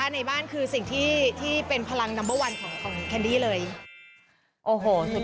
แม่ดูไว้เม่ารู้ว่าแม่ดูอยู่